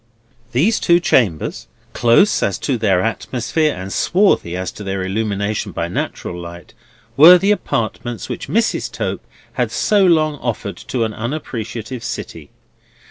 These two chambers, close as to their atmosphere, and swarthy as to their illumination by natural light, were the apartments which Mrs. Tope had so long offered to an unappreciative city.